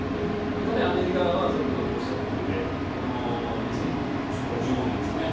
片やアメリカはおっしゃったとおりで２０１５年ですよね